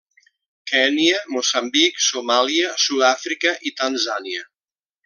Kenya, Moçambic, Somàlia, Sud-àfrica i Tanzània.